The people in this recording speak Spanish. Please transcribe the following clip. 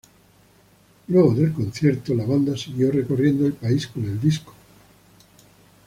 Luego del concierto, la banda siguió recorriendo el país con el disco.